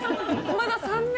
まだ３年？